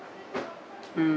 うん。